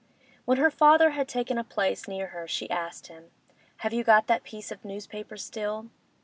When her father had taken a place near her she asked him, 'Have you got that piece of newspaper still?